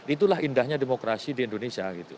itulah indahnya demokrasi di indonesia